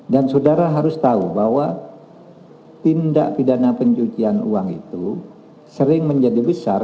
dan saudara harus tahu bahwa tindak pidana pencucian uang itu sering menjadi besar